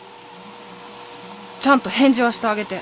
ちゃんと返事はしてあげて。